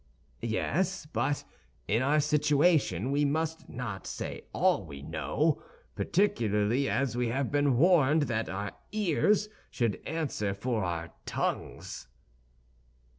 "Yes; but in our situation we must not say all we know—particularly as we have been warned that our ears should answer for our tongues."